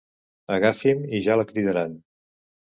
Agafi'm i ja la cridaran.